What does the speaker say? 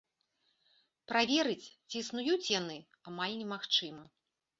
Праверыць, ці існуюць яны, амаль немагчыма.